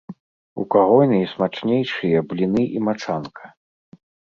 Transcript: У каго найсмачнейшыя бліны і мачанка?